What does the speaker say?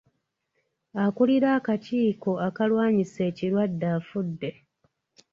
Akulira akakiiko akalwanyisa ekirwadde afudde.